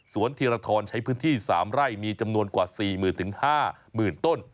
ธีรทรใช้พื้นที่๓ไร่มีจำนวนกว่า๔๐๐๐๕๐๐๐ต้น